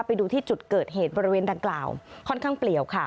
ไปดูที่จุดเกิดเหตุบริเวณดังกล่าวค่อนข้างเปลี่ยวค่ะ